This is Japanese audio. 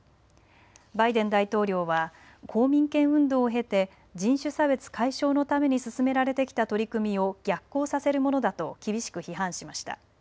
バイデン大統領は公民権運動を経て人種差別解消のために進められてきた取り組みを逆行させるものだと厳しく批判しました。